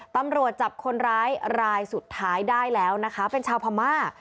ตำรวจจับคนร้ายรายสุดท้ายได้แล้วนะคะเป็นชาวพม่า